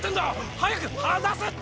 早く離せ！